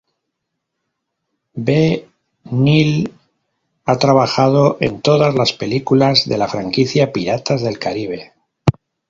Ve Neill ha trabajado en todas las películas de la franquicia Piratas del Caribe.